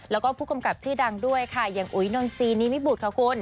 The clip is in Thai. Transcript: แล้วก็ผู้กำกับชื่อดังด้วยค่ะอย่างอุ๋ยนนซีนิมิบุตรค่ะคุณ